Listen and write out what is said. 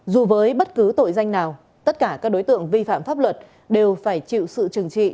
dù với bất cứ tội danh nào tất cả các đối tượng vi phạm pháp luật đều phải chịu sự trừng trị